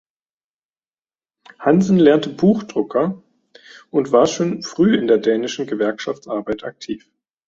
Hansen lernte Buchdrucker und war schon früh in der dänischen Gewerkschaftsarbeit aktiv.